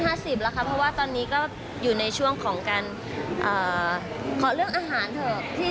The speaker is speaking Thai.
ต้องเกิน๕๐แล้วครับเพราะว่าตอนนี้ก็อยู่ในช่วงของการขอเรื่องอาหารเถอะ